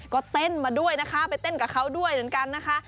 ก็เต้นมาด้วยนะคะไปเต้นกับเขาด้วยเหมือนกันนะคะ